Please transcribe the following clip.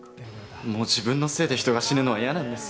もう自分のせいで人が死ぬのは嫌なんです。